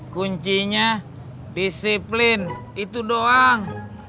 kuncinya disiplin itu doang